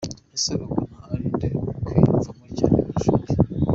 Ese ubona ari inde ukwiyumvamo cyane kurusha undi.